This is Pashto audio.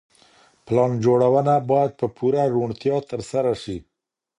پلان جوړونه بايد په پوره روڼتيا ترسره سي.